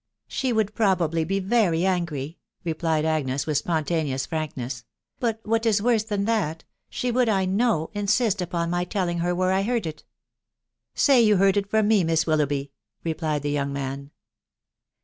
She would probably be very angry," replied Agnes with spontaneous frankness ;" but what is worse than that, she would, I know, insist upon my telling her where I heard it." " Say that you heard it from me, Miss Willoughby,'* re plied the young man.